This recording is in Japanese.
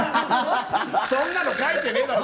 そんなの書いてねえだろ。